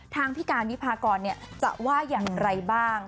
ทางพี่การวิพากรจะว่าอย่างไรบ้าง